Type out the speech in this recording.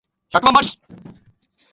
百万馬力